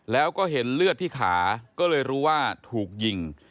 แล้วก็เห็นเลือดที่ขาก็เลยรู้ว่าถูกยิง